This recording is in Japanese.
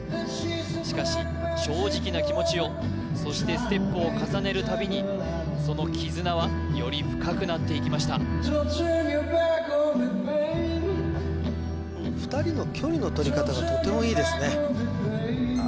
しかし正直な気持ちをそしてステップを重ねるたびにその絆はより深くなっていきました２人の距離の取り方がとてもいいですねああ